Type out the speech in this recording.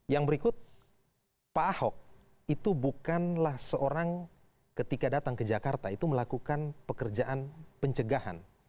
yang berikut pak ahok itu bukanlah seorang ketika datang ke jakarta itu melakukan pekerjaan pencegahan